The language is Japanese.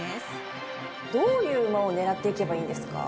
どういう馬を狙っていけばいいんですか？